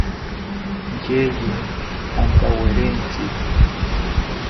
Yeye antawerentzi